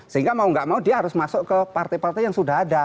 sehingga mau nggak mau dia harus masuk ke partai partai yang sudah ada